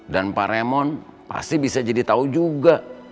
dan pak raymond pasti bisa jadi tau juga